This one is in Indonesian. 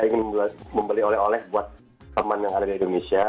ingin membeli oleh oleh buat teman yang ada di indonesia